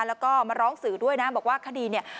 แล้วก็มาร้องสื่อด้วยนะบอกว่าคดีเนี่ย